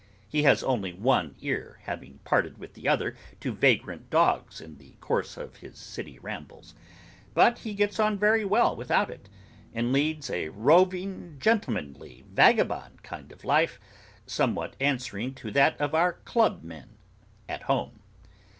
He has only one ear; having parted with the other to vagrant dogs in the course of his city rambles. But he gets on very well without it; and leads a roving, gentlemanly, vagabond kind of life, somewhat answering to that of our club men at home.